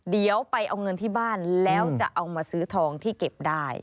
เดี๋ยวไปเอาเงินที่บ้านแล้วจะเอามาซื้อทองที่เก็บได้